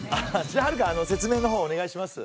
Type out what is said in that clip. じゃあはるか説明の方をお願いします。